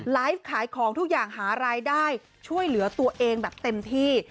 ไลฟ์ขายของทุกอย่างหารายได้ช่วยเหลือตัวเองแบบเต็มที่